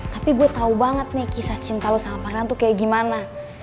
tapi gue tau banget nih kisah cinta lo sama pangeran tuh kayak gimana